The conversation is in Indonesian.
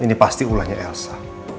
ini pasti ulahnya elsa